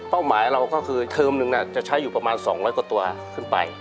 เป้าหมายเราก็คือเทอมนึงจะใช้อยู่ประมาณสองร้อยกว่าตัวขึ้นไป